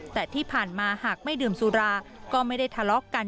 แต่ที่ผ่านมาหากไม่ดื่มสุราก็ไม่ได้ทะเลาะกัน